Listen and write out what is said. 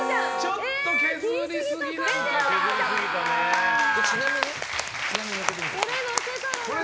ちょっと削りすぎなのか。